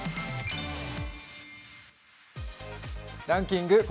ランキング